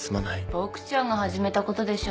ボクちゃんが始めたことでしょ。